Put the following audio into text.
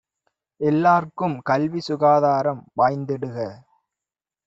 எல்லார்க்கும் கல்வி சுகாதாரம் வாய்ந்திடுக!